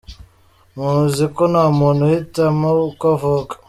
Muzi ko nta muntu uhitamo uko avuka.